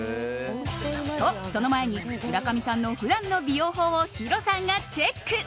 と、その前に村上さんの普段の美容法をヒロさんがチェック。